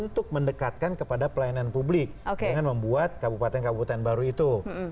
untuk mendekatkan kepada pelayanan publik dengan membuat kabupaten kabupaten baru itu